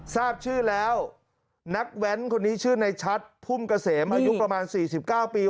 ทราบชื่อแล้วนักแว้นคนนี้ชื่อในชัดพุ่มเกษมอายุประมาณ๔๙ปี